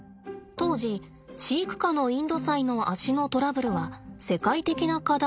当時飼育下のインドサイの足のトラブルは世界的な課題でした。